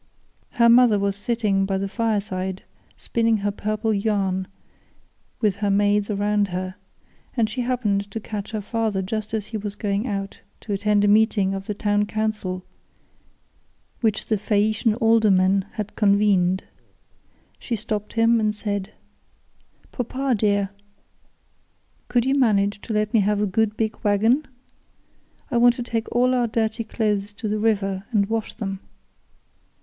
Her mother was sitting by the fireside spinning her purple yarn with her maids around her, and she happened to catch her father just as he was going out to attend a meeting of the town council, which the Phaeacian aldermen had convened. She stopped him and said: "Papa dear, could you manage to let me have a good big waggon? I want to take all our dirty clothes to the river and wash them.